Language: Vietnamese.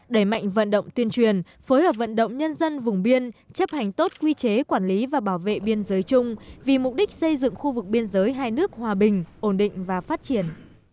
đẩy mạnh vận động tuyên truyền phối hợp vận động nhân dân vùng biên chấp hành tốt quy chế quản lý và bảo vệ biên giới chung vì mục đích xây dựng khu vực biên giới hai nước hòa bình ổn định và phát triển